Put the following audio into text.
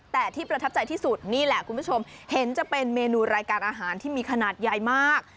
แต่ที่ประทับใจที่สุดนี่แหละคุณผู้ชมเห็นจะเป็นเมนูรายการอาหารที่มีขนาดใหญ่มาก